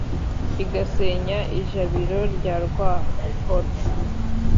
igasenya i jabiro rya rwahoro.